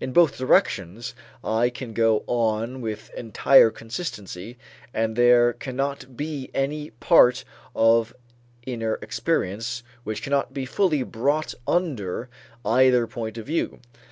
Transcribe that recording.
In both directions I can go on with entire consistency, and there cannot be any part of inner experience which cannot be fully brought under either point of view.